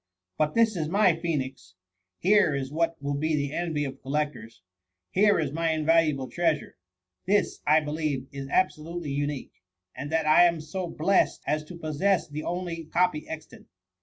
* But this is my Phoenix — here is what will be the envy of collectors ! here is my invaluable treasure ! This, I believe, is abso lutely unique, and that I am so blest as to pos» sess the only copy extant.